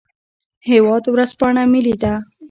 هیواد ورځپاڼه ملي ده